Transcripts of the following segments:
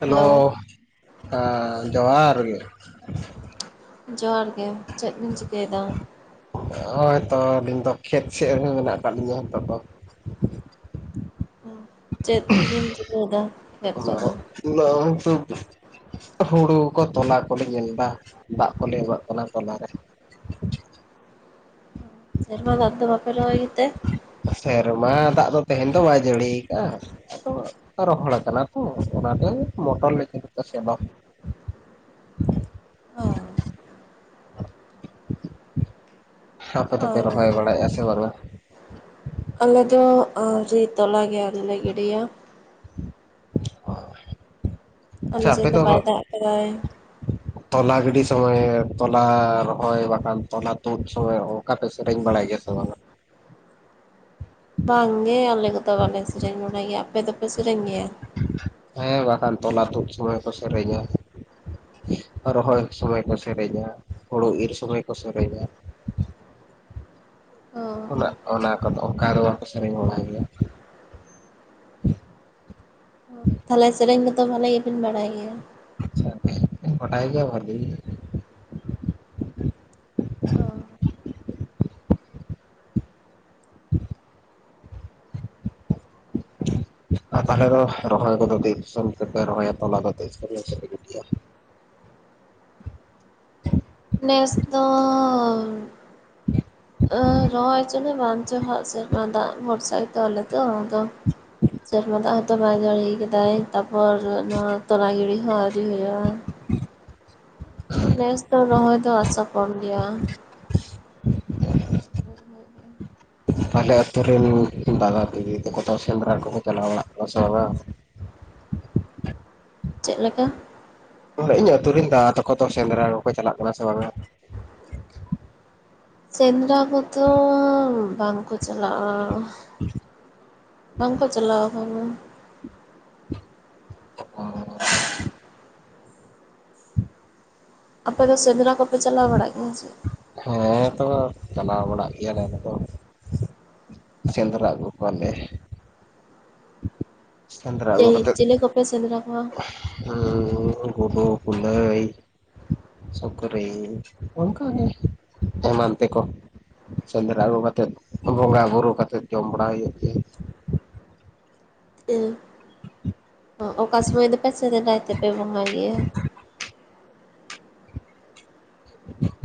Hello, ᱦᱮᱸ ᱡᱚᱦᱟᱨ ᱜᱮ᱾ ᱡᱚᱦᱟᱨ ᱜᱮ ᱪᱮᱫ ᱵᱤᱱ ᱪᱤᱠᱟᱹᱭ ᱮᱫᱟ? ᱚᱭᱛᱚ ᱟᱹᱞᱤᱧ ᱫᱚ ᱠᱷᱮᱛ ᱥᱮᱫ ᱨᱮ ᱢᱮᱱᱟᱜ ᱠᱟᱜ ᱞᱤᱧᱟ ᱱᱤᱛᱳᱜ ᱫᱚ᱾ [inaudible] ᱪᱮᱫ ᱵᱤᱱ ᱞᱤᱠᱟᱹᱭ ᱮᱫᱟ ᱠᱷᱮᱛ ᱨᱮ ᱫᱚ? [unintelligible] ᱦᱩᱲᱩ ᱠᱚ ᱛᱚᱞᱟ ᱠᱚᱞᱮ ᱧᱮᱞᱫᱟ ᱫᱟᱜ ᱠᱚᱞᱮ ᱮᱢᱟᱜ ᱠᱟᱱᱟ ᱛᱚᱞᱟᱨᱮ᱾ ᱥᱮᱨᱢᱟ ᱫᱟᱜ ᱛᱮᱫᱚ ᱵᱟᱯᱮ ᱨᱚᱦᱚᱭ ᱜᱮᱛᱮ? ᱥᱮᱨᱢᱟ ᱫᱟᱜ ᱫᱚ ᱛᱟᱦᱮᱱ ᱫᱚ ᱵᱟᱭ ᱡᱟᱹᱲᱤ ᱠᱟᱜᱼᱟ᱾ ᱫᱚ ᱨᱚᱦᱚᱲ ᱠᱟᱱᱟ ᱛᱚ ᱚᱱᱟᱛᱮ ᱢᱚᱴᱚᱨᱞᱮ ᱪᱟᱞᱩ ᱠᱟᱜᱼᱟ ᱥᱮᱞᱚ᱾ ᱚ ᱾ ᱟᱯᱮ ᱫᱚᱯᱮ ᱨᱚᱦᱚᱭ ᱵᱟᱲᱟᱭᱮᱜᱼᱟ ᱥᱮ ᱵᱟᱝᱟ? ᱟᱞᱮᱫᱚ ᱟᱹᱣᱨᱤ ᱛᱚᱞᱟ ᱜᱮ ᱟᱹᱣᱨᱤ ᱞᱮ ᱜᱤᱰᱤᱭᱟ᱾ ᱚ᱾ ᱟᱞᱮ ᱥᱮᱫ ᱫᱚ ᱵᱟᱭ ᱫᱟᱜ ᱠᱟᱫᱟᱭ᱾ ᱛᱚᱞᱟ ᱜᱤᱰᱤ ᱥᱚᱢᱚᱭ ᱛᱚᱞᱟ ᱨᱚᱦᱚᱭ ᱵᱟᱠᱷᱟᱱ ᱛᱚᱞᱟ ᱛᱩᱫ ᱥᱚᱢᱚᱭ ᱚᱠᱟ ᱯᱮ ᱥᱮᱨᱮᱧ ᱵᱟᱲᱟᱭ ᱜᱮᱭᱟ ᱥᱮ ᱵᱟᱝᱟ? ᱵᱟᱝ ᱜᱮ ᱟᱞᱮ ᱠᱚᱫᱚ ᱵᱟᱞᱮ ᱥᱮᱨᱮᱧ ᱵᱟᱲᱟᱭ ᱜᱮᱭᱟ, ᱟᱯᱮ ᱫᱚᱯᱮ ᱥᱮᱨᱮᱧ ᱜᱮᱭᱟ? ᱦᱮ ᱵᱟᱠᱷᱟᱱ ᱛᱚᱞᱟ ᱛᱩᱫ ᱥᱩᱚᱢᱚᱭ ᱠᱚ ᱥᱮᱨᱮᱧᱟ᱾ ᱨᱚᱦᱚᱭ ᱥᱚᱢᱚᱭ ᱠᱚ ᱥᱮᱨᱮᱧᱟ, ᱦᱳᱲᱳ ᱤᱨ ᱥᱚᱢᱚᱭ ᱠᱚ ᱥᱮᱨᱮᱧᱟ᱾ ᱚ ᱚᱱᱟ ᱚᱱᱟ ᱠᱚᱫᱚ ᱚᱱᱠᱟ ᱫᱚ ᱵᱟᱠᱚ ᱥᱮᱨᱮᱧ ᱵᱟᱲᱟᱭ ᱜᱮᱭᱟ᱾ ᱛᱟᱦᱞᱮ ᱥᱮᱨᱮᱧ ᱠᱚᱫᱚ ᱵᱷᱟᱞᱤ ᱜᱮᱵᱤᱱ ᱵᱟᱲᱟᱭ ᱜᱮᱭᱟ? ᱟᱪᱪᱷᱟ ᱜᱚᱴᱟᱭ ᱜᱮ ᱵᱷᱟᱞᱮ ᱚ [inaudible] ᱟᱨ ᱛᱟᱦᱞᱮ ᱫᱚ ᱨᱚᱦᱚᱭ ᱠᱚᱫᱚ ᱛᱤᱥ ᱠᱷᱚᱱ ᱯᱮ ᱨᱚᱦᱚᱭᱟ ᱛᱚᱞᱟ [unintelligible] [inaudible] ᱱᱮᱥ ᱫᱚᱻ ᱚ ᱨᱚᱦᱚᱭ ᱡᱚᱝᱮ ᱵᱟᱝ ᱪᱚ ᱦᱟᱸᱜ ᱥᱮᱨᱢᱟ ᱫᱟᱜ ᱵᱚᱨᱥᱟ ᱜᱮ ᱛᱚ ᱟᱞᱮ ᱫᱚ ᱥᱮᱨᱢᱟ ᱫᱟᱜ ᱱᱚᱛᱮ ᱵᱟᱭ ᱡᱟᱹᱲᱤ ᱠᱮᱫᱟᱭ ᱛᱟᱯᱚᱨ ᱱᱚᱣᱟ ᱛᱚᱞᱟ ᱜᱤᱲᱤ ᱦᱚᱸ ᱟᱹᱣᱨᱤ ᱦᱩᱭᱩᱜᱼᱟ᱾ ᱱᱮᱥ ᱫᱚ ᱨᱚᱦᱚᱭ ᱫᱚ ᱟᱥᱟ ᱠᱚᱢ ᱜᱮᱭᱟ᱾ [unintelligible] ᱟᱞᱮ ᱟᱛᱳ ᱨᱮ ᱫᱟᱫᱟ ᱫᱤᱫᱤ ᱛᱟᱠᱚ ᱥᱮᱸᱫᱽᱨᱟ ᱠᱚᱠᱚ ᱪᱟᱞᱟᱣ ᱵᱟᱲᱟᱜ ᱠᱟᱱᱟ ᱥᱮ ᱵᱟᱝ? ᱪᱮᱫ ᱞᱮᱠᱟ? ᱚᱸᱰᱮ ᱤᱧ ᱟᱹᱛᱩᱨᱤᱱ ᱫᱟᱫᱟ ᱛᱟᱠᱚ ᱛᱚ ᱥᱮᱸᱫᱽᱨᱟ ᱠᱚᱠᱚ ᱪᱟᱞᱟᱜ ᱠᱟᱱᱟ ᱥᱮ ᱵᱟᱝᱟ? [inaudible] ᱥᱮᱸᱫᱽᱨᱟ ᱠᱚᱫᱚ ᱵᱟᱝ ᱠᱚ ᱪᱟᱞᱟᱜᱼᱟ᱾ ᱵᱟᱝ ᱠᱚ ᱪᱟᱞᱟᱣ ᱠᱟᱱᱟ᱾ [inaudible] ᱟᱯᱮ ᱫᱚ ᱥᱮᱸᱫᱽᱨᱟ ᱠᱚᱯᱮ ᱪᱟᱞᱟᱣ ᱵᱟᱲᱟᱜ ᱜᱮᱭᱟ ᱥᱮ? ᱦᱮᱸ ᱛᱚ ᱪᱟᱞᱟᱣ ᱵᱟᱲᱟᱜ ᱜᱮᱭᱟᱞᱮ ᱟᱫᱚ᱾ ᱥᱮᱸᱫᱽᱨᱟ ᱟᱹᱜᱩ ᱠᱚᱣᱟᱞᱮ᱾ ᱥᱮᱸᱫᱽᱨᱟ ᱟᱹᱜᱩ ᱠᱟᱛᱮᱫ ᱪᱤᱞᱤ ᱠᱚᱯᱮ ᱥᱮᱸᱫᱽᱨᱟ ᱠᱚᱣᱟ? ᱜᱩᱰᱩ, ᱠᱩᱞᱟᱹᱭ ᱥᱩᱠᱨᱤ ᱚᱱᱠᱟ ᱜᱮ ᱮᱢᱟᱱ ᱛᱮ ᱠᱚ᱾ ᱥᱮᱸᱫᱽᱨᱟ ᱟᱹᱜᱩ ᱠᱟᱛᱮᱫ, ᱵᱚᱸᱜᱟ ᱵᱩᱨᱩ ᱠᱟᱛᱮᱫ ᱡᱚᱢ ᱵᱟᱲᱟ ᱦᱩᱭᱩᱜ ᱜᱮ ᱦᱩᱸ ᱚᱠᱟ ᱥᱚᱢᱚᱭ ᱫᱚᱯᱮ ᱥᱮᱸᱫᱽᱨᱟᱭ ᱛᱮᱯᱮ ᱵᱚᱸᱜᱟᱭ ᱜᱮᱭᱟ?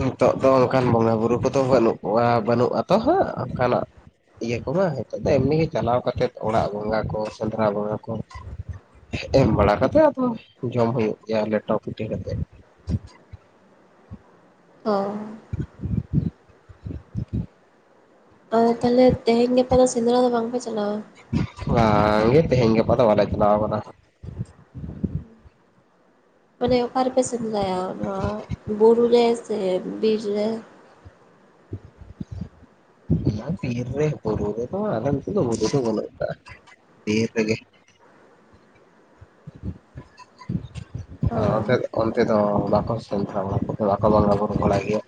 ᱱᱤᱛᱚᱜ ᱫᱚ ᱚᱱᱠᱟᱱ ᱵᱚᱸᱜᱟᱼᱵᱩᱨᱩ ᱠᱚᱫᱚ ᱵᱟᱹᱱᱩᱜ ᱠᱚᱣᱟ, ᱵᱟᱹᱱᱩᱜ ᱟᱛᱚ ᱦᱟᱸᱜ ᱚᱱᱠᱟᱱᱟᱜ᱾ ᱤᱭᱟᱹ ᱠᱚᱢᱟ ᱦᱤᱛᱚᱜ ᱫᱚ ᱮᱢᱱᱤ ᱜᱮ ᱪᱟᱞᱟᱣ ᱠᱟᱛᱮᱫ, ᱚᱲᱟᱜ ᱵᱚᱸᱜᱟ ᱠᱚ ᱥᱮᱸᱫᱽᱨᱟ ᱵᱚᱸᱜᱟ ᱠᱚ ᱮᱢ ᱵᱟᱲᱟ ᱠᱟᱛᱮᱫ ᱟᱫᱚ ᱡᱚᱢ ᱦᱳᱭᱳᱜ ᱜᱮᱭᱟ ᱞᱮᱴᱚ ᱯᱤᱴᱷᱟᱹ ᱠᱟᱛᱮᱫ ᱾ ᱚᱻ᱾ ᱚ ᱛᱟᱦᱚᱞᱮ ᱛᱮᱦᱮᱧ ᱜᱟᱯᱟ ᱫᱚ ᱥᱮᱸᱫᱽᱨᱟ ᱫᱚ ᱵᱟᱝ ᱯᱮ ᱪᱟᱞᱟᱣ ᱵᱟᱝ ᱜᱮ, ᱛᱮᱦᱮᱧ ᱜᱟᱯᱟ ᱫᱚ ᱵᱟᱝ ᱞᱮ ᱪᱟᱞᱟᱣ ᱟᱠᱟᱱᱟ᱾ ᱢᱟᱱᱮ ᱚᱠᱟ ᱨᱮᱯᱮ ᱥᱮᱸᱫᱽᱨᱟᱭᱟ? ᱱᱚᱣᱟ ᱵᱩᱨᱩ ᱨᱮ ᱥᱮ ᱵᱤᱨ ᱨᱮ? [inaudible] ᱚᱱᱟ ᱵᱤᱨ ᱨᱮ, ᱵᱩᱨᱩ ᱨᱮᱫᱚ ᱟᱞᱮ ᱱᱚᱛᱮ ᱫᱚ ᱵᱩᱨᱩ ᱫᱚ ᱵᱟᱹᱱᱩᱜᱼᱟ ᱵᱤᱨ ᱨᱮᱜᱮ᱾ ᱚ [inaudible] ᱛᱮ ᱫᱚ ᱵᱟᱠᱚ ᱥᱮᱸᱫᱽᱨᱟ ᱵᱟᱲᱟᱭ ᱠᱚᱛᱮ, ᱵᱟᱠᱚ ᱵᱚᱸᱜᱟ ᱵᱩᱨᱩ ᱵᱟᱲᱟᱭ ᱜᱮᱭᱟ᱾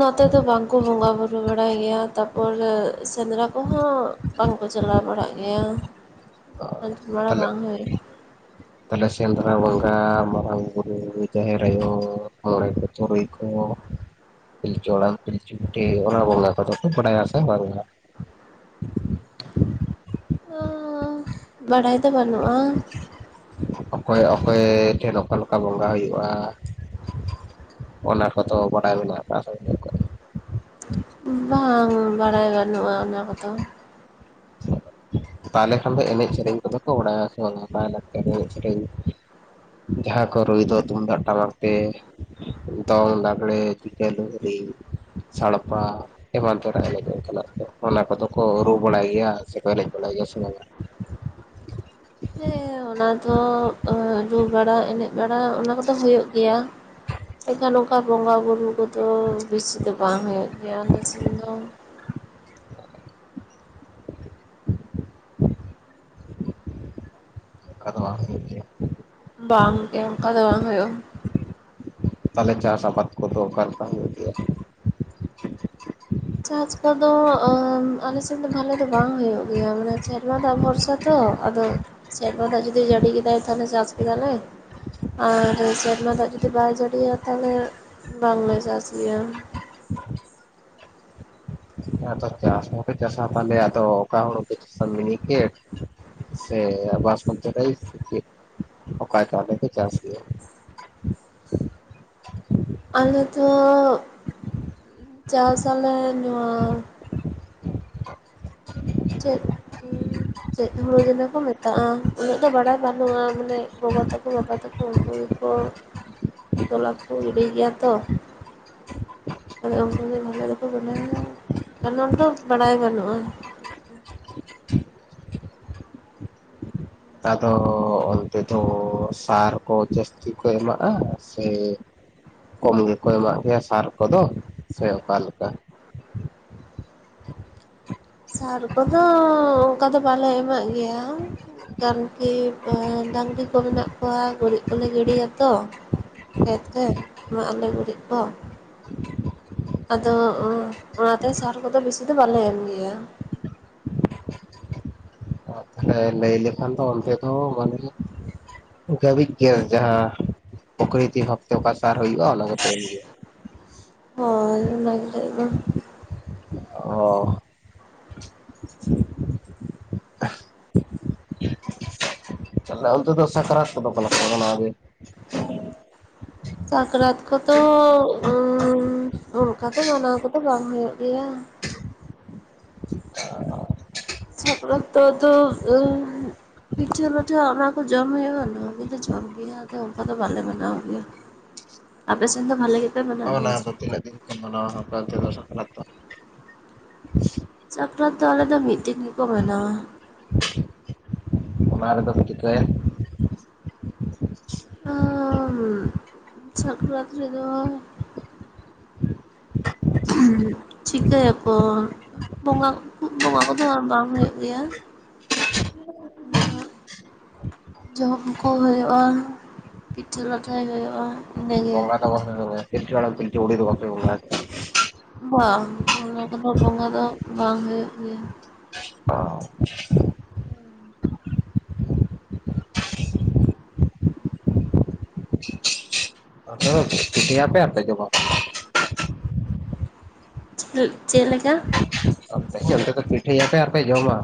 ᱱᱚᱛᱮ ᱫᱚ ᱵᱟᱝ ᱠᱚ ᱵᱚᱸᱜᱟ ᱵᱩᱨᱩ ᱵᱟᱲᱟᱭ ᱜᱮᱭᱟ, ᱛᱟᱯᱚᱨ ᱥᱮᱸᱫᱽᱨᱟ ᱠᱚᱦᱚᱸ ᱵᱟᱝ ᱠᱚ ᱪᱟᱞᱟᱣ ᱵᱟᱲᱟᱜ ᱜᱮᱭᱟ᱾ [inaudible] ᱢᱟᱱᱮ ᱵᱟᱝ ᱦᱳᱭᱳᱜ ᱜᱮᱭᱟ ᱾ ᱛᱟᱦᱚᱞᱮ ᱥᱮᱸᱫᱽᱨᱟ ᱵᱚᱸᱜᱟ, ᱢᱟᱨᱟᱝ ᱵᱩᱨᱩ, ᱡᱟᱦᱮᱨ ᱟᱭᱳ, ᱢᱚᱬᱮ ᱠᱚ ᱛᱩᱨᱩᱭ ᱠᱚ ᱠᱚ ᱯᱤᱞᱪᱩ ᱦᱟᱲᱟᱢ, ᱯᱤᱞᱪᱩ ᱵᱩᱰᱷᱤ ᱚᱱᱟ ᱵᱚᱸᱜᱟ ᱠᱚᱫᱚ ᱯᱮ ᱵᱟᱰᱟᱭᱟ ᱥᱮ ᱵᱟᱝᱼᱟ? ᱚᱻ᱾ ᱵᱟᱲᱟᱭ ᱫᱚ ᱵᱟᱹᱱᱩᱜᱼᱟ᱾ ᱚᱠᱚᱭ ᱚᱠᱚᱭ ᱴᱷᱮᱱ ᱚᱠᱟ ᱞᱮᱠᱟ ᱵᱚᱸᱜᱟ ᱦᱩᱭᱩᱜᱼᱟ? ᱚᱱᱟ ᱠᱚᱫᱚ ᱵᱟᱲᱟᱭ ᱢᱮᱱᱟᱜ ᱠᱟᱜᱼᱟ ᱥᱮ ᱵᱟᱹᱱᱩᱜ ᱠᱟᱜᱼᱟ? [inaudible] ᱵᱟᱝ ᱵᱟᱲᱟᱭ ᱵᱟᱹᱱᱩᱜᱼᱟ ᱚᱱᱟ ᱠᱚᱫᱚ᱾ ᱛᱟᱦᱚᱞᱮ ᱠᱷᱟᱱ ᱫᱚ ᱮᱱᱮᱡ ᱥᱮᱨᱮᱧ ᱠᱚᱫᱚ ᱠᱚ ᱵᱟᱲᱟᱭᱟ ᱥᱮ ᱵᱟᱝᱟ? ᱞᱟᱭ ᱞᱟᱠᱪᱟᱨ ᱮᱱᱮᱡ ᱥᱮᱨᱮᱧ? ᱡᱟᱦᱟᱸᱠᱚ ᱨᱩᱭ ᱫᱚ ᱛᱩᱢᱫᱟᱜ ᱴᱟᱢᱟᱠ ᱛᱮ ᱫᱚᱝ, ᱞᱟᱸᱜᱽᱲᱮ, ᱡᱷᱤᱠᱟᱹ, ᱞᱩᱦᱨᱤ, ᱥᱟᱲᱯᱟ᱾ ᱮᱢᱟᱱ ᱛᱮᱱᱟᱜ ᱮᱱᱮᱡ ᱚᱱᱠᱟᱱᱟᱜ ᱠᱚ ᱚᱱᱟ ᱠᱚᱫᱚ ᱠᱚ ᱨᱩ ᱵᱟᱲᱟᱭ ᱜᱮᱭᱟ ᱥᱮ ᱠᱚ ᱮᱱᱮᱡ ᱵᱟᱲᱟᱭ ᱜᱮᱭᱟ ᱥᱮ ᱵᱟᱝᱼᱟ? ᱦᱮᱸ ᱚᱱᱟ ᱫᱚ ᱨᱩ ᱵᱟᱲᱟ ᱮᱱᱮᱡ ᱵᱟᱲᱟ ᱚᱱᱟ ᱠᱚᱫᱚ ᱦᱳᱭᱳᱜ ᱜᱮᱭᱟ᱾ ᱮᱠᱷᱟᱱ ᱚᱱᱠᱟ ᱵᱚᱸᱜᱟ ᱵᱩᱨᱩ ᱠᱚᱫᱚ ᱵᱤᱥᱤ ᱫᱚ ᱵᱟᱝ ᱦᱩᱭᱩᱜ ᱜᱮᱭᱟ ᱟᱞᱮ ᱥᱮᱱ ᱫᱚ᱾ ᱚᱱᱠᱟ ᱫᱚ ᱵᱟᱝ ᱦᱩᱭᱩᱜ ᱜᱮᱭᱟ᱾ ᱵᱟᱝ ᱜᱮ ᱚᱱᱠᱟ ᱫᱚ ᱵᱟᱝ ᱦᱳᱭᱳᱜᱼᱟ᱾ ᱛᱟᱦᱞᱮ ᱪᱟᱥ ᱟᱵᱟᱫ ᱠᱚᱫᱚ ᱚᱠᱟ ᱞᱮᱠᱟ ᱦᱳᱭᱳᱜ ᱜᱮᱭᱟ? ᱪᱟᱥ ᱠᱚᱫᱚ ᱟᱞᱮ ᱥᱮᱫ ᱫᱚ ᱵᱷᱟᱞᱮ ᱫᱚ ᱵᱟᱝ ᱦᱳᱭᱳᱜ ᱜᱮᱭᱟ, ᱢᱟᱱᱮ ᱥᱮᱨᱢᱟ ᱫᱟᱜ ᱵᱷᱚᱨᱥᱟ ᱛᱚ ᱟᱫᱚ ᱥᱮᱨᱢᱟ ᱫᱟᱜ ᱡᱩᱫᱤ ᱡᱟᱹᱲᱤ ᱠᱮᱫᱟᱭ ᱛᱟᱦᱚᱞᱮ ᱪᱟᱥ ᱠᱮᱫᱟᱞᱮ ᱟᱨ ᱥᱮᱨᱢᱟ ᱫᱟᱜ ᱡᱩᱫᱤ ᱵᱟᱭ ᱡᱟᱲᱤᱭᱟ, ᱛᱟᱦᱚᱞᱮ ᱵᱟᱝ ᱞᱮ ᱪᱟᱥ ᱜᱮᱭᱟ ᱾ ᱟᱫᱚ ᱪᱟ ᱪᱟᱥ ᱦᱚᱸ ᱯᱮ ᱪᱟᱥᱟ ᱛᱟᱦᱚᱞᱮ ᱟᱫᱚ ᱚᱠᱟ ᱦᱩᱲᱩ ᱯᱮ ᱪᱟᱥᱟ ᱢᱤᱱᱤᱠᱮᱴ? ᱥᱮ ᱵᱟᱥ ᱢᱩᱛᱤ ᱪᱟᱣᱞᱮ ᱪᱮ ᱚᱠᱟ ᱪᱟᱣᱞᱮ ᱯᱮ ᱪᱟᱥ ᱜᱮᱭᱟ? ᱟᱞᱮ ᱫᱚ ᱪᱟᱥ ᱟᱞᱮ ᱱᱚᱣᱟ ᱪᱮᱫ ᱪᱮᱫ ᱦᱩᱲᱩ ᱡᱮᱱᱚ ᱠᱚ ᱢᱮᱛᱟᱜᱼᱟ ᱩᱱᱟᱹᱜ ᱫᱚ ᱵᱟᱲᱟᱭ ᱵᱟᱹᱱᱩᱜᱼᱟ ᱢᱟᱱᱮ ᱜᱚᱜᱚ ᱛᱟᱠᱚ ᱵᱟᱵᱟ ᱛᱟᱠᱚ ᱩᱱᱠᱩ ᱜᱮᱠᱚ ᱛᱚᱞᱟ ᱠᱚ ᱜᱤᱰᱤ ᱜᱮᱭᱟ ᱛᱚ᱾ ᱛᱟᱦᱚᱞᱮ ᱩᱱᱠᱩ ᱜᱮ ᱵᱷᱟᱞᱮ ᱫᱚᱠᱚ ᱵᱟᱰᱟᱭᱟ [unintelligible] ᱫᱚ ᱵᱟᱰᱟᱭ ᱵᱟᱹᱱᱩᱜᱼᱟ᱾ ᱟᱫᱚ ᱚᱱᱛᱮ ᱫᱚ ᱥᱟᱨ ᱠᱚ ᱡᱟᱹᱥᱛᱤ ᱠᱚ ᱮᱢᱟᱜᱼᱟ ᱥᱮ ᱠᱚᱢ ᱜᱮᱠᱚ ᱮᱢᱟᱜ ᱠᱚᱣᱟ ᱥᱟᱨ ᱠᱚᱫᱚ ᱥᱮ ᱚᱠᱟ ᱞᱮᱠᱟ? ᱥᱟᱨ ᱠᱚᱫᱚ ᱚᱱᱠᱟ ᱫᱚ ᱵᱟᱞᱮ ᱮᱢᱟᱜ ᱜᱮᱭᱟ ᱠᱟᱨᱠᱤ ᱰᱟᱝᱜᱨᱤ ᱠᱚ ᱢᱮᱱᱟᱜ ᱠᱚᱣᱟ ᱜᱩᱨᱤᱡ ᱠᱚᱞᱮ ᱜᱤᱰᱤᱭᱟ ᱛᱚ ᱠᱷᱮᱛ ᱨᱮ ᱮᱢᱟᱜ ᱟᱞᱮ ᱜᱩᱨᱤᱡ ᱠᱚ᱾ ᱟᱫᱚ ᱚᱱᱟᱛᱮ ᱥᱟᱨ ᱠᱚᱫᱚ ᱵᱤᱥᱤ ᱫᱚ ᱵᱟᱞᱮ ᱮᱢ ᱜᱮᱭᱟ᱾ ᱟᱨ ᱞᱟᱹᱭ ᱞᱮᱠᱷᱟᱱ ᱫᱚ ᱚᱱᱛᱮ ᱫᱚ [unintelligible] ᱵᱟᱝᱜᱮ᱾ ᱜᱟᱹᱵᱤᱡ ᱜᱮ ᱡᱟᱦᱟᱸ ᱯᱚᱠᱨᱤᱛᱤ ᱵᱷᱟᱵᱛᱮ ᱚᱠᱟ ᱥᱟᱨ ᱦᱩᱭᱩᱜᱼᱟ ᱚᱱᱟ ᱫᱚᱯᱮ ᱮᱢᱜᱮᱭᱟ᱾ ᱦᱚᱭ ᱚᱱᱟ ᱜᱮᱞᱮ ᱮᱢᱟ᱾ ᱚ᱾ [inaudible] ᱚᱱᱛᱮ ᱫᱚ ᱥᱟᱠᱨᱟᱛ ᱠᱚᱫᱚ ᱚᱠᱟᱞᱮᱠᱟ ᱠᱚ ᱢᱟᱱᱟᱣ ᱜᱮᱭᱟ? ᱥᱟᱠᱨᱟᱛ ᱠᱚᱫᱚ ᱚᱱᱠᱟ ᱫᱚ ᱢᱟᱱᱟᱣ ᱠᱚᱫᱚ ᱵᱟᱝ ᱦᱩᱭᱩᱜ ᱜᱮᱭᱟ᱾ [inaudible] [unintelligible] ᱯᱤᱴᱷᱟᱹ ᱞᱟᱹᱴᱷᱟᱹ ᱚᱱᱟ ᱠᱚ ᱡᱚᱢ ᱦᱩᱭᱩᱜᱼᱟ, ᱚᱱᱟ ᱠᱚᱜᱮ ᱡᱚᱢ ᱦᱩᱭᱩᱜᱼᱟ᱾ ᱟᱫᱚ ᱚᱱᱠᱟ ᱫᱚ ᱵᱟᱞᱮ ᱢᱮᱱᱟᱣ ᱜᱮᱭᱟ ᱟᱯᱮ ᱥᱮᱱ ᱵᱷᱟᱞᱮ ᱜᱮ ᱚᱱᱟ ᱫᱚ ᱛᱤᱱᱟᱹᱜ ᱫᱤᱱ ᱠᱚ ᱢᱟᱱᱟᱣᱼᱟ ᱚᱱᱛᱮ ᱫᱚ ᱥᱟᱠᱨᱟᱛ ᱫᱚ? ᱥᱟᱠᱨᱟᱛ ᱫᱚ ᱟᱞᱮ ᱫᱚ ᱢᱤᱫ ᱫᱤᱱ ᱜᱮᱠᱚ ᱢᱟᱱᱟᱣᱟ᱾ ᱚᱱᱟ ᱨᱮᱫᱚ ᱠᱚ ᱪᱤᱠᱟᱹᱭᱟ? ᱥᱟᱠᱨᱟᱛ ᱨᱮᱫᱚ [inaudible] ᱪᱤᱠᱟᱹᱭ ᱟᱠᱚ? ᱵᱚᱸᱜᱟ ᱵᱚᱸᱜᱟ ᱠᱚᱫᱚ ᱵᱟᱝ ᱦᱩᱭᱩᱜ ᱜᱮᱭᱟ᱾ ᱡᱚᱢ ᱠᱚ ᱦᱩᱭᱩᱜᱼᱟ᱾ ᱯᱤᱴᱷᱟᱹ ᱞᱟᱴᱷᱟᱭ ᱦᱩᱭᱩᱜᱼᱟ᱾ ᱤᱱᱟᱹᱜᱮ ᱵᱚᱸᱜᱟ [unintelligible] ᱯᱤᱞᱪᱩ ᱦᱟᱲᱟᱢ ᱯᱤᱞᱪᱩ ᱵᱩᱰᱷᱤ ᱫᱚ ᱵᱟᱯᱮ ᱵᱚᱸᱜᱟ ᱵᱟᱝ ᱚᱱᱟ ᱠᱚᱫᱚ ᱵᱚᱸᱜᱟ ᱫᱚ ᱵᱟᱝ ᱦᱩᱭᱩᱜ ᱜᱮᱭᱟ᱾ ᱚ᱾ ᱟᱯᱮ ᱫᱚ ᱯᱤᱴᱷᱟᱹᱭᱟᱯᱮ ᱟᱨ ᱯᱮ ᱡᱚᱢᱟ? ᱪᱮᱫ ᱞᱮᱠᱟ? ᱯᱤᱴᱷᱟᱹᱭᱟᱯᱮ ᱟᱨᱯᱮ ᱡᱚᱢᱟ᱾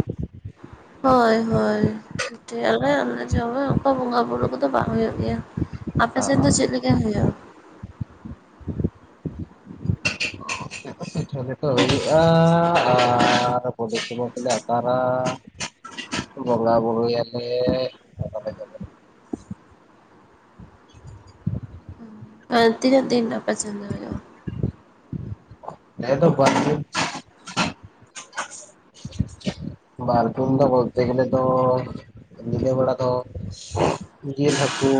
ᱦᱚᱭ ᱦᱚᱭ ᱯᱤᱴᱷᱟᱹᱭᱟᱞᱮ ᱟᱨᱞᱮ ᱡᱚᱢᱟ ᱚᱱᱠᱟ ᱵᱚᱸᱜᱟ ᱵᱩᱨᱩ ᱠᱚᱫᱚ ᱵᱟᱝ ᱦᱩᱭᱩᱜ ᱜᱮᱭᱟ᱾ ᱟᱯᱮᱥᱮᱱ ᱫᱚ ᱟᱨ ᱪᱮᱫ ᱞᱮᱠᱟ ᱦᱩᱭᱩᱜᱼᱟ? ᱯᱤᱴᱷᱟᱹ ᱞᱮᱴᱚ ᱦᱩᱭᱩᱜᱼᱟ ᱟᱨ ᱵᱩᱰᱷᱤ ᱠᱩᱢᱵᱟᱹ ᱠᱚᱞᱮ ᱟᱛᱟᱨᱟ᱾ ᱵᱚᱸᱜᱟ ᱵᱩᱨᱩᱭᱟᱞᱮ ᱡᱚᱢᱟ ᱛᱤᱱᱟᱹᱜ ᱫᱤᱱ ᱟᱯᱮ ᱥᱮᱱ ᱫᱚ ᱦᱩᱭᱩᱜᱼᱟ? ᱟᱞᱮ ᱫᱟ ᱵᱟᱨ ᱫᱤᱱ᱾ ᱵᱟᱨᱠᱷᱩᱱ ᱫᱚ ᱵᱚᱞᱛᱮ ᱜᱮᱞᱮ ᱛᱚ ᱧᱤᱫᱟᱹ ᱵᱮᱲᱟ ᱫᱚ, ᱡᱤᱞ ᱦᱟᱹᱠᱩ,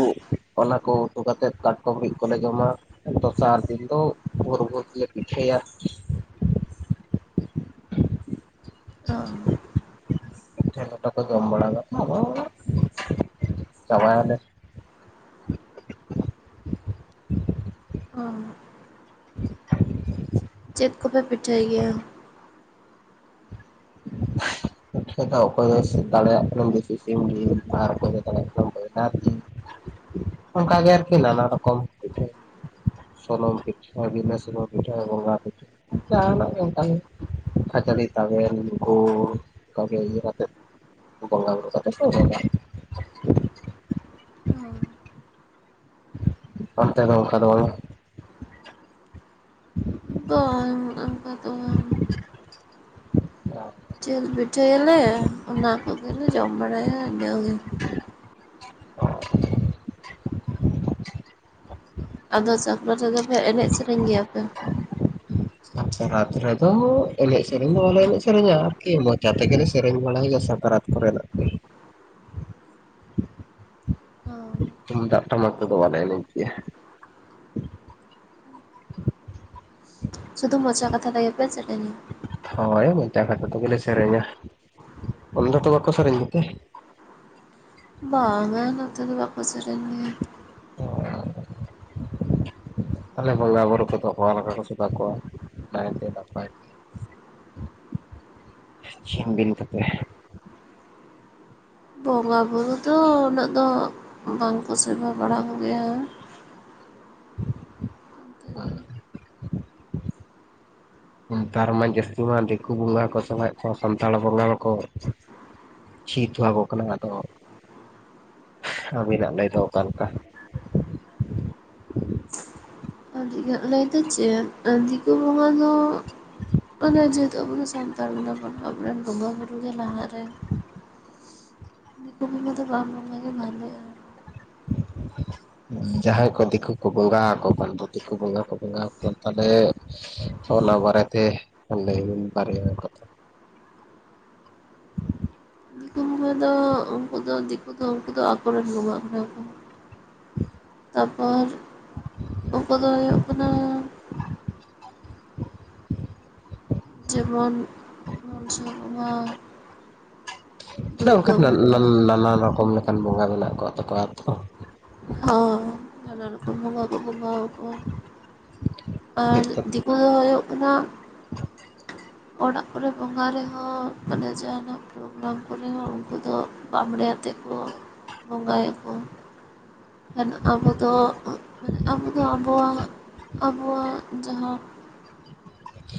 ᱚᱱᱟᱠᱩ ᱩᱛᱩ ᱠᱟᱛᱮᱫ ᱠᱟᱴᱼᱼ [unintelligible] ᱠᱚᱞᱮ ᱡᱚᱢᱟ, ᱫᱚᱥᱟᱨ ᱫᱤᱱ ᱫᱚ ᱵᱷᱳᱨᱼᱵᱷᱳᱨ ᱛᱮᱞᱮ ᱯᱤᱴᱷᱟᱹᱭᱟ᱾ ᱚ ᱯᱤᱴᱷᱟᱹ ᱞᱟᱴᱷᱚ ᱠᱚ ᱡᱚᱢ ᱵᱟᱲᱟ ᱠᱟᱛᱮ ᱟᱫᱚ, ᱪᱟᱵᱟᱭᱟᱞᱮ᱾ ᱚ [inaudible] ᱮᱫ ᱠᱚᱯᱮ ᱯᱤᱴᱷᱟᱹᱭ ᱜᱮᱭᱟ? [inaudible] ᱫᱚ ᱚᱠᱚᱭ ᱫᱚᱭ ᱫᱟᱲᱮᱭᱟᱜ ᱠᱟᱱᱟ ᱫᱮᱥᱤ ᱥᱤᱢ ᱡᱤᱞ ᱟᱨ ᱚᱠᱚᱭ ᱫᱚᱭ ᱫᱟᱲᱮᱭᱟᱜ ᱠᱟᱱᱟ ᱵᱚᱭᱞᱟᱨ ᱡᱤᱞ, ᱚᱱᱠ ᱜᱮ ᱟᱨᱠᱤ ᱱᱟᱱᱟ ᱨᱚᱠᱚᱢᱼᱼ ᱥᱩᱱᱩᱢ ᱯᱤᱴᱷᱟᱹ, ᱵᱤᱱᱟᱹ ᱥᱩᱱᱩᱢ ᱯᱤᱴᱟᱹ, ᱵᱚᱸᱜᱟ ᱯᱤᱴᱷᱟᱹ, ᱡᱟᱦᱟᱸᱱᱟᱜ ᱜᱮ ᱚᱱᱠᱟᱱ, ᱠᱷᱟᱹᱡᱟᱹᱲᱤ, ᱛᱟᱵᱮᱱ, ᱜᱩᱬ, ᱚᱱᱠᱟᱜᱮ ᱤᱭᱟᱹ ᱠᱟᱛᱮᱫ, ᱵᱚᱸᱜᱟ ᱵᱩᱨᱩ ᱠᱟᱛᱮᱫ ᱠᱚ [unintelligible] ᱚᱱᱛᱮ ᱫᱚ ᱚᱱᱠᱟ ᱫᱚ ᱵᱟᱝᱟ᱾ [inaudible] ᱵᱟᱝ ᱚᱱᱠᱟ ᱫᱚ ᱵᱟᱝ [inaudible] [unintelligible] ᱡᱤᱞ ᱯᱤᱴᱷᱟᱹᱭᱟᱞᱮ, ᱚᱱᱟ ᱠᱚᱜᱮ ᱞᱮ ᱡᱚᱢ ᱵᱟᱲᱟᱭᱟ ᱤᱱᱟᱹ ᱜᱮ᱾ [inaudible] ᱟᱫᱚ ᱥᱟᱛ [unintelligible] ᱫᱚ ᱯᱮ ᱮᱱᱮᱡ ᱥᱮᱨᱮᱧ ᱜᱮᱭᱟ ᱯᱮ? ᱥᱟᱠᱨᱟᱛ ᱨᱮᱫᱚ, ᱮᱱᱮᱡ ᱥᱮᱨᱮᱧ ᱫᱚ ᱵᱟᱞᱮ ᱮᱱᱮᱡ ᱥᱮᱨᱮᱧᱟ ᱟᱨᱠᱤ, ᱢᱚᱪᱟ ᱛᱮᱜᱮᱞᱮ ᱥᱮᱨᱮᱧ ᱵᱟᱲᱟᱭᱟ ᱥᱟᱠᱨᱟᱛᱼᱼ ᱠᱚᱨᱮᱱᱟᱜ ᱛᱮᱼᱼ [inaudible] ᱛᱩᱢᱫᱟᱜ ᱴᱟᱢᱟᱠ ᱛᱮᱫᱚ ᱵᱟᱞᱮ ᱮᱱᱮᱡ ᱜᱮᱭᱟ᱾ [inaudible] ᱥᱩᱫᱷᱩ ᱢᱚᱡᱟ ᱠᱟᱛᱷᱟ ᱛᱮᱜᱮ ᱯᱮ‌ ᱥᱮᱨᱮᱧᱼᱟ᱾ ᱦᱳᱭ ᱢᱚᱪᱟ ᱠᱷᱟᱛᱷᱟ ᱛᱮᱜᱮᱞᱮ ᱥᱮᱨᱮᱧᱟ, ᱩᱱ ᱫᱚ ᱛᱚ ᱵᱟᱠᱚ ᱥᱮᱨᱮᱧ ᱜᱮᱛᱮ? ᱵᱟᱝᱼᱟ, ᱱᱚᱛᱮ ᱫᱚ ᱵᱟᱠᱚ ᱥᱮᱨᱮᱧ ᱜᱮᱭᱟ᱾ [unintelligible] ᱛᱟᱦᱞᱮ [unintelligible] ᱵᱩᱨᱩ ᱠᱚᱫᱚ, [unintelligible] ᱱᱟᱭ ᱛᱮ ᱱᱟᱯᱟᱭ ᱛᱮ᱾ ᱪᱷᱤᱱ ᱵᱤᱢ ᱠᱚᱛᱮ᱾ ᱵᱚᱸᱜᱟ ᱵᱩᱨᱩ ᱫᱚ ᱩᱱᱟᱹᱜ ᱫᱚ, ᱵᱟᱝᱠᱚ ᱥᱮᱵᱟ ᱵᱟᱲᱟ ᱠᱚᱜᱮᱭᱟ᱾ [unintelligible] ᱱᱮᱛᱟᱨ ᱢᱟ ᱡᱟᱹᱥᱛᱤ ᱢᱟ ᱫᱤᱠᱩ ᱵᱚᱸᱜᱟ ᱠᱚ ᱥᱮᱵᱟᱭᱮᱫ ᱠᱚᱣᱟ ᱥᱟᱱᱛᱟᱲ ᱵᱚᱸᱜᱟ ᱢᱟᱠᱚᱼᱼ ᱪᱷᱤ ᱛᱷᱚᱣᱟ ᱠᱚ ᱠᱟᱱᱟ ᱟᱫᱚ, [unintelligible] ᱟᱹᱵᱤᱱᱟᱜ ᱞᱟᱹᱭ ᱫᱚ ᱚᱠᱟ‌ ᱞᱮᱠᱟ? ᱟᱨ ᱤᱧᱟᱹᱜ ᱞᱟᱹᱭ ᱫᱚ ᱪᱮᱜ, ᱟᱸ, ᱫᱤᱠᱩ ᱵᱚᱸᱜᱟ ᱫᱚ, ᱢᱟᱱᱮ ᱡᱮᱦᱮᱛᱩ ᱟᱵᱚ ᱫᱚ ᱥᱟᱸᱼᱼ [unintelligible] ᱟᱵᱚᱨᱮᱱ ᱵᱚᱸᱜᱟ ᱵᱩᱨᱩ ᱜᱮ ᱞᱟᱦᱟ ᱨᱮ᱾ ᱫᱤᱠᱩ ᱵᱚᱸᱜᱟ ᱫᱚ ᱵᱟᱝ ᱵᱚᱸᱜᱟ ᱜᱮ ᱵᱷᱟᱞᱮᱼᱟ᱾ [inaudible] ᱡᱟᱦᱟᱸᱭ ᱠᱚ ᱫᱤᱠᱩ ᱠᱚ ᱵᱚᱸᱜᱟ ᱟᱠᱚ ᱠᱟᱱ ᱫᱚ, ᱫᱤᱠᱩ ᱵᱚᱸᱜᱟ ᱠᱚ ᱵᱚᱸᱜᱟ ᱟᱠᱚ ᱠᱟᱱ ᱛᱟᱦᱚᱞᱮᱼᱼ ᱚᱱᱟ ᱵᱟᱨᱮ ᱛᱮ, ᱞᱟᱹᱭ ᱵᱤᱱ ᱵᱟᱨᱭᱟ ᱠᱟᱛᱷᱟ᱾ [unintelligible] ᱫᱚ ᱩᱱᱠᱩ ᱫᱚ ᱫᱤᱠᱩ ᱫᱚ ᱩᱱᱠᱩ ᱫᱚ ᱟᱠᱚᱨᱮᱱ ᱵᱚᱸᱜᱟ ᱠᱟᱱᱟ ᱠᱚ᱾ ᱛᱟ ᱯᱚᱨᱼᱼ ᱠᱚᱫᱚ ᱦᱩᱭᱩᱜ ᱠᱟᱱᱟᱼᱼ ᱡᱮᱢᱚᱱ, ᱢᱚᱱᱥᱟ ᱵᱚᱸᱜᱟ᱾ ᱪᱮᱫᱟᱜ ᱚᱱᱠᱟ ᱫᱩᱨᱜᱟᱹ ᱱᱟᱜ ᱵᱚᱸᱜᱟ ᱱᱟᱱ ᱱᱟᱱᱟᱱ ᱨᱚᱠᱚᱢ ᱞᱮᱠᱟᱱ ᱵᱚᱸᱜᱟ ᱢᱮᱱᱟᱜ ᱠᱚᱣᱟᱜ ᱛᱟᱠᱚᱣᱟ ᱛᱚ? ᱦᱚᱭ ᱱᱟᱱᱟ ᱨᱚᱠᱚᱢ ᱵᱚᱸᱜᱟ ᱠᱚ ᱵᱚᱸᱜᱟᱣ ᱣᱟᱠᱚᱣᱟ ᱟᱨ ᱫᱤᱠ ᱠᱩ ᱫᱚ ᱦᱩᱭᱩᱜ ᱠᱟᱱᱟ ᱚᱲᱟᱜ ᱠᱚᱨᱮ ᱵᱚᱸᱜᱟ ᱨᱮᱦᱚᱸᱻ ᱢᱟᱱᱮ ᱡᱟᱦᱟᱸᱱᱟᱜ ᱵᱚᱸᱜᱟ ᱠᱚᱨᱮ ᱦᱚᱸ ᱩᱸᱠᱩ ᱫᱚᱜ ᱵᱟᱢ ᱵᱽᱮᱲᱮ ᱟᱛᱮᱜ ᱠᱚ ᱵᱚᱸᱜᱟ ᱭᱮᱜ ᱠᱚᱣᱟ᱾ ᱟᱨ ᱟᱵᱚ ᱫᱚᱻᱜ ᱩᱸᱜ ᱟᱵᱚ ᱫᱚ ᱟᱵᱚᱣᱟᱜ ᱟᱵᱚᱣᱟᱜ ᱡᱟᱦᱟᱸ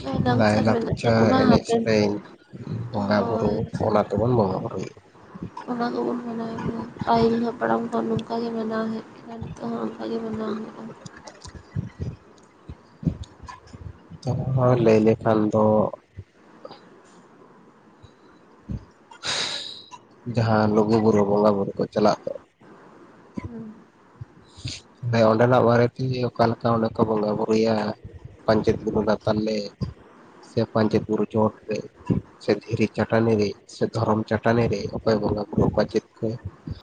ᱱᱟᱹᱭ ᱱᱟᱝᱪᱟᱨ ᱢᱮᱱᱟᱜ ᱟᱨ ᱛᱟᱵᱚᱱᱟ ᱮᱱᱮᱡ ᱦᱟᱯᱮᱱ ᱥᱮᱨᱮᱧ ᱵᱚᱸᱜᱟ ᱵᱩᱨᱩ ᱦᱳᱭ ᱚᱱᱟ ᱛᱮᱵᱚᱱ ᱵᱚᱸᱜᱟ ᱵᱩᱨᱩᱭᱮᱜᱼᱟ᱾ ᱚᱱᱟ ᱠᱚᱵᱚᱱ ᱢᱟᱱᱟᱣ ᱜᱮᱭᱟ, ᱯᱟᱹᱦᱤᱞ ᱦᱟᱯᱲᱟᱢ ᱠᱚᱦᱚᱸ ᱱᱚᱝᱠᱟ ᱜᱮ ᱢᱟᱱᱟᱣ ᱦᱩᱭᱩᱜ, ᱟᱨ ᱱᱤᱛᱚᱜ ᱦᱚᱸ ᱚᱱᱠᱟ ᱜᱮ ᱢᱟᱱᱟᱣ ᱦᱩᱭᱩᱜᱼᱟ᱾ [unintelligible] ᱞᱟᱹᱭ ᱞᱮᱠᱷᱟᱱ ᱫᱚᱻᱜ ᱡᱟᱦᱟᱸ ᱞᱩᱜᱩ ᱵᱩᱨᱩ ᱵᱚᱸᱜᱟ ᱵᱩᱨᱩ ᱠᱚ ᱪᱟᱞᱟᱣ ᱠᱚᱜ, [unintelligible] ᱦᱩᱸ ᱦᱮᱸ ᱚᱸᱰᱮᱱᱟᱜ ᱵᱟᱨᱮ ᱛᱤᱜᱮ ᱚᱠᱟ ᱞᱮᱠᱟ ᱚᱸᱰᱮ ᱠᱚ ᱵᱚᱸᱜᱟ ᱵᱩᱨᱩᱭᱟ, ᱯᱟᱧᱪᱮᱛ ᱠᱚᱫᱚ ᱞᱟᱛᱟᱨ ᱞᱮᱜ, ᱪᱮ ᱯᱟᱧᱪᱮᱛ ᱵᱩᱨᱩ ᱪᱚᱴ ᱨᱮ, ᱪᱮ ᱫᱷᱤᱨᱤ ᱪᱟᱴᱟᱱᱤ ᱨᱮ, ᱥᱮ ᱫᱷᱚᱨᱚᱢ ᱪᱟᱴᱟᱱᱤ ᱨᱮ ᱚᱠᱚᱭ ᱵᱚᱸᱜᱟᱼ ᱵᱩᱨᱩ ᱠᱚᱣᱟ ᱪᱮᱫ ᱠᱚ?